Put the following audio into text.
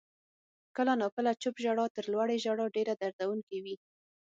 • کله ناکله چپ ژړا تر لوړې ژړا ډېره دردونکې وي.